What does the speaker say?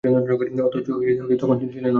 অথচ তিনি তখন ছিলেন অন্ধ।